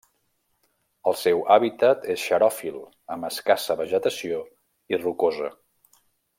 El seu hàbitat és xeròfil, amb escassa vegetació i rocosa.